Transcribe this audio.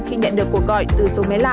khi nhận được cuộc gọi từ số máy lạ